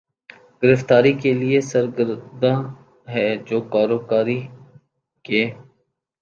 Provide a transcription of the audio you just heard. گرفتاری کے لیے سرگرداں ہے جو کاروکاری کے